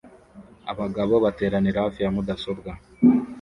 Abagabo bateranira hafi ya mudasobwa